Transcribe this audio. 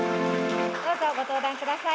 どうぞご登壇ください